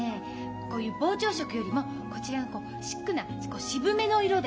こういう膨張色よりもこちらのシックな渋めの色で。